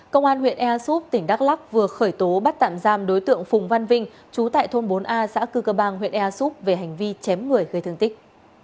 công an huyện ea súp tỉnh đắk lắc vừa khởi tố bắt tạm giam đối tượng phùng văn vinh chú tại thôn bốn a xã cư cơ bang huyện ea súp về hành vi chém người gây thương tích